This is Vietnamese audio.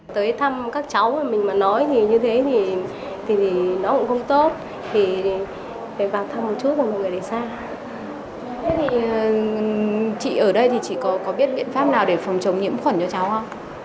thế thì chị ở đây thì chị có biết biện pháp nào để phòng chống nhiễm khuẩn cho cháu không